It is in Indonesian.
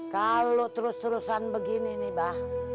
kalo terus terusan begini nih mbah